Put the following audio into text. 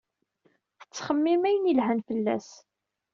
Tettxemmim ayen ilhan fell-as.